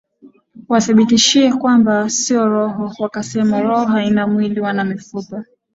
wadhibitishe kwamba sio roho wakasema roho haina mwili wala mifupa